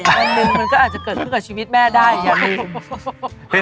มันก็อาจจะเกิดขึ้นกับชีวิตแม่ได้อย่างนี้